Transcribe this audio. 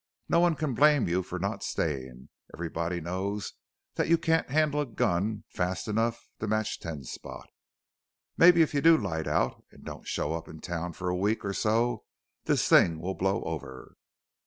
No one can blame you for not staying everybody knows that you can't handle a gun fast enough to match Ten Spot. Maybe if you do light out and don't show up in town for a week or so this thing will blow over."